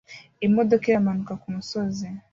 imodoka iramanuka kumusozi